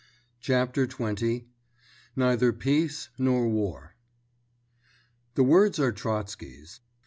CHAPTER XX—NEITHER PEACE NOR WAR The words are Trotsky's.